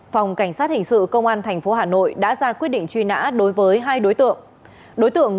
phòng cảnh sát hình sự công an tp hà nội đã ra quyết định truy nã đối với hai đối tượng